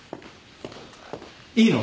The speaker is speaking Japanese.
いいの？